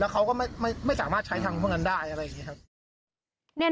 เขาก็ไม่สามารถใช้ทางพวกนั้นได้อะไรอย่างนี้ครับ